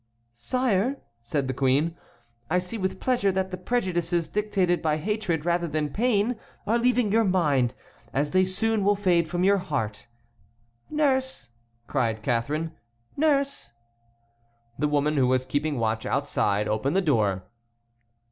"Sire," said the queen, "I see with pleasure that the prejudices dictated by hatred rather than pain are leaving your mind, as they soon will fade from your heart. Nurse!" cried Catharine, "nurse!" The woman, who was keeping watch outside, opened the door.